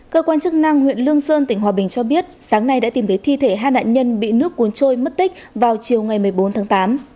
cơ quan chức năng huyện lương sơn tỉnh hòa bình cho biết sáng nay đã tìm thấy thi thể hai nạn nhân bị nước cuốn trôi mất tích vào chiều ngày một mươi bốn tháng tám